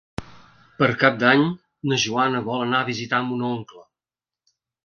Per Cap d'Any na Joana vol anar a visitar mon oncle.